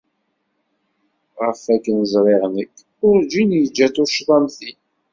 Ɣef akken ẓriɣ nekk, werǧin i iga tuccḍa am tin.